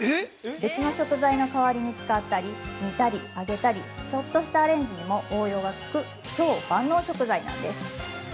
別の食材のかわりに使ったり煮たり揚げたり、ちょっとしたアレンジにも応用がきく超万能食材なんです。